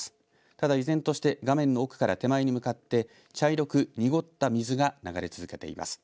ただ依然として画面の奥から手前に向かって茶色く濁った水が流れ続けています。